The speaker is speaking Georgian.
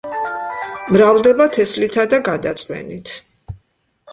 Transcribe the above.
მრავლდება თესლითა და გადაწვენით.